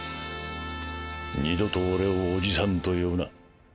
二度と俺をおじさんと呼ぶな。